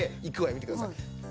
見てください。